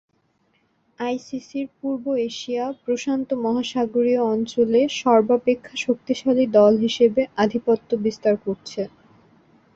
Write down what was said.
আইসিসি’র পূর্ব এশিয়া/প্রশান্ত মহাসাগরীয় অঞ্চলে সর্বাপেক্ষা শক্তিশালী দল হিসেবে আধিপত্য বিস্তার করছে।